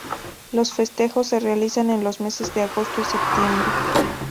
Los festejos se realizan en los meses de agosto y septiembre.